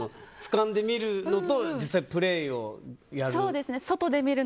俯瞰で見るのと実際にプレーをやる。